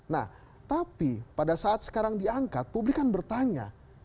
nah tapi pada saat sekarang diangkat publik kan bertanya